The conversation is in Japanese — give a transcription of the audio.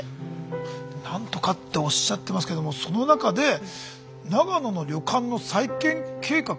何とかっておっしゃってますけどもその中で長野の旅館の再建計画？